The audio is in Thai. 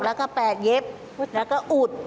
แล้วก็๘เย็บแล้วก็อุด